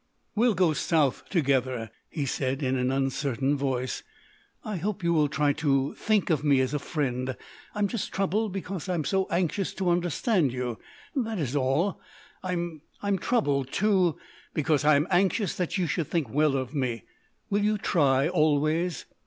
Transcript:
"We'll go South together," he said in an uncertain voice.... "I hope you will try to think of me as a friend.... I'm just troubled because I am so anxious to understand you. That is all.... I'm—I'm troubled, too, because I am anxious that you should think well of me. Will you try, always?"